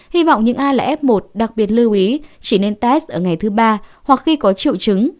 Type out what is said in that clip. hy vọng những ai là f một đặc biệt lưu ý chỉ nên test ở ngày thứ ba hoặc khi có triệu chứng